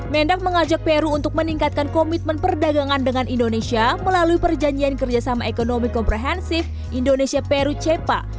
mendak mengajak peru untuk meningkatkan komitmen perdagangan dengan indonesia melalui perjanjian kerjasama ekonomi komprehensif indonesia peru cepa